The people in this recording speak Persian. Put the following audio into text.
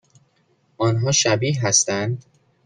آنها شبیه هستند؟